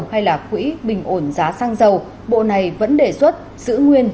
hay là quỹ bình ổn giá xăng dầu bộ này vẫn đề xuất giữ nguyên